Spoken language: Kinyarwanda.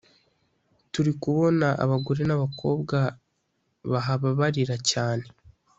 Turi kubona abagore n’abakobwa bahababarira cyane